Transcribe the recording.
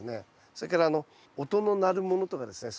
それから音の鳴るものとかですね